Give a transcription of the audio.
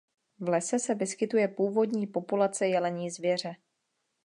V lese se vyskytuje původní populace jelení zvěře.